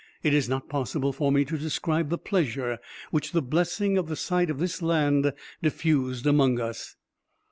It is not possible for me to describe the pleasure which the blessing of the sight of this land diffused among us.